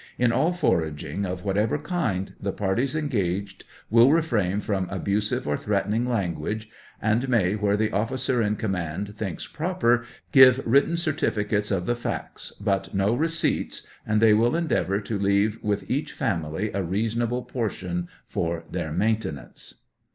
In all forag ing, of whatever kind, the parties engaged will refrain from abusive or threatening language, and may, where the ofllcer in command thinks proper, give written cer tificates of the facts, but no receipts; and they will en deavor to leave with each family a reasonable portion for their maintenance."